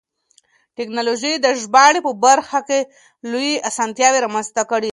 تکنالوژي د ژباړې په برخه کې لویې اسانتیاوې رامنځته کړې دي.